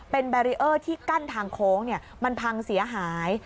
เป็นแบรีเออร์ที่กั้นทางโค้งมันพังเสียหาย